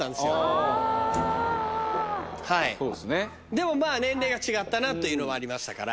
でも年齢が違ったなというのもありましたから。